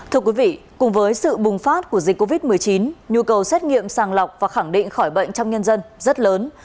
thưa quý vị cùng với sự bùng phát của dịch covid một mươi chín nhu cầu xét nghiệm sàng lọc và khẳng định khỏi bệnh trong nhân dân rất lớn